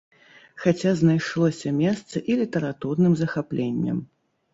Хаця знайшлося месца і літаратурным захапленням.